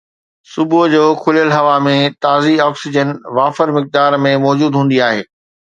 صبح جو کليل هوا ۾ تازي آڪسيجن وافر مقدار ۾ موجود هوندي آهي